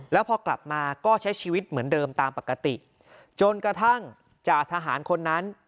แล้วพอกลับมาก็ใช้ชีวิตเหมือนเดิมตามปกติจนกระทั่งจ่าทหารคนนั้น